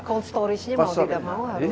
cold storage nya mau tidak mau harus